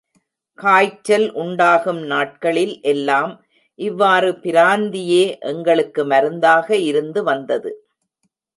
காய்ச்சல் உண்டாகும் நாட்களில் எல்லாம் இவ்வாறு பிராந்தியே எங்களுக்கு மருந்தாக இருந்து வந்தது.